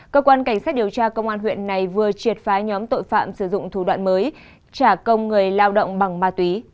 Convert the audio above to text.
cơ quan cảnh sát điều tra công an huyện này vừa triệt phá nhóm tội phạm sử dụng thủ đoạn mới trả công người lao động bằng ma túy